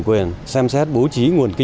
còn nông nghiệp thì chỉ không đáng kể